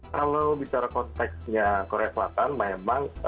kalau bicara konteksnya korea selatan memang